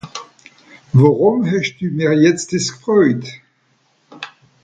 Worùm hesch mich jetz dìss gfröjt ?